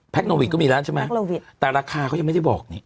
คโนวิทก็มีแล้วใช่ไหมแต่ราคาเขายังไม่ได้บอกนี่